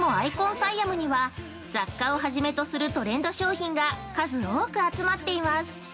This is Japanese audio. サイアムには雑貨を初めとするトレンド商品が数多く多く集まっています。